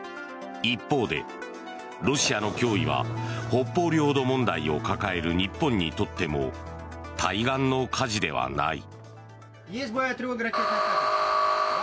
一方でロシアの脅威は北方領土問題を抱える日本にとっても対岸の火事ではない。